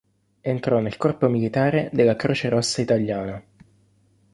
Entrò nel corpo militare della Croce Rossa Italiana.